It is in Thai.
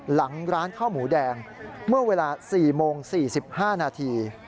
หลังร้านข้าวหมูแดงเมื่อเวลา๔โมง๔๕นาที